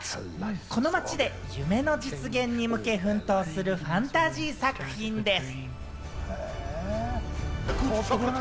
この町で夢の実現に向け、奮闘するファンタジー作品です。